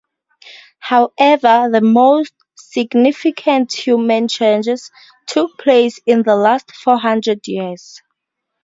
However, the most significant human changes took place in the last four hundred years.